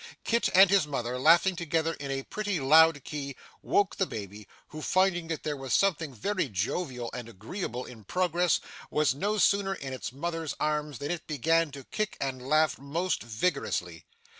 Kit and his mother, laughing together in a pretty loud key, woke the baby, who, finding that there was something very jovial and agreeable in progress, was no sooner in its mother's arms than it began to kick and laugh, most vigorously.